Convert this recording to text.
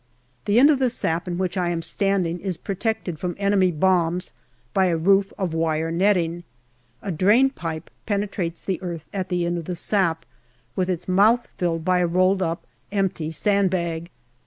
The end of the sap in which I am standing is protected from enemy bombs by a roof of wire netting. A drain pipe penetrates the earth at the end of the sap, with its mouth filled by a rolled up empty sand bag.